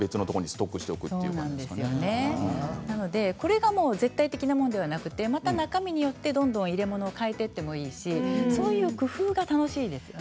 これがもう絶対的なものではなくて中身によって入れ物を変えていってもいいしそういう工夫が楽しいんです。